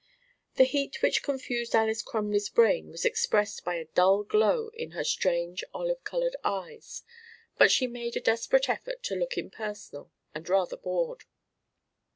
The heat which confused Alys Crumley's brain was expressed by a dull glow in her strange olive colored eyes, but she made a desperate effort to look impersonal and rather bored.